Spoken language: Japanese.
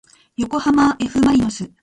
よこはまえふまりのす